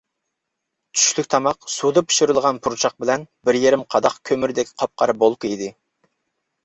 چۈشلۈك تاماق سۇدا پىشۇرۇلغان پۇرچاق بىلەن بىر يېرىم قاداق كۆمۈردەك قاپقارا بولكا ئىدى.